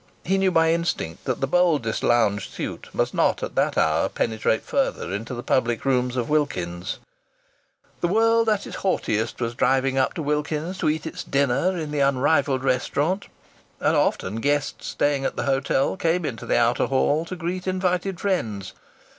He knew by instinct that the boldest lounge suit must not at that hour penetrate further into the public rooms of Wilkins's. The world at its haughtiest was driving up to Wilkins's to eat its dinner in the unrivalled restaurant, and often guests staying at the hotel came into the outer hall to greet invited friends.